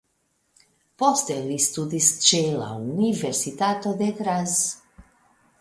Poste li studis ĉe la Universitato de Graz.